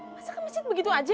masa ke masjid begitu aja